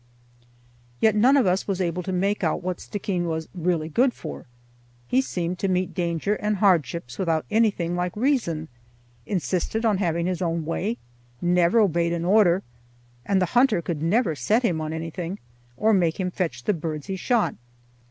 Yet none of us was able to make out what Stickeen was really good for. He seemed to meet danger and hardships without anything like reason, insisted on having his own way, never obeyed an order, and the hunter could never set him on anything, or make him fetch the birds he shot.